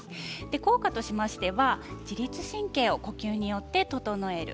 効果としましては自律神経を呼吸によって整える。